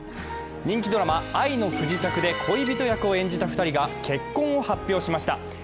人気ドラマ「愛の不時着」で恋人役を演じた２人が結婚を発表しました。